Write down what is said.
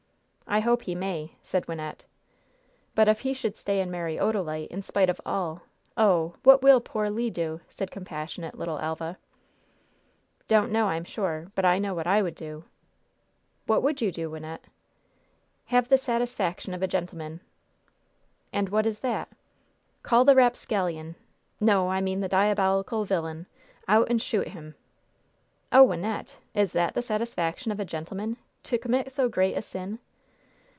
"I hope he may!" said Wynnette. "But if he should stay and marry Odalite, in spite of all, oh! what will poor Le do?" said compassionate little Elva. "Don't know, I'm sure; but I know what I would do." "What would you do, Wynnette?" "Have the satisfaction of a gentleman." "And what is that?" "Call the rapscallion no, I mean the diabolical villain out and shoot him!" "Oh, Wynnette! Is that the satisfaction of a gentleman? To commit so great a sin?"